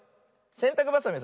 せんたくばさみをさ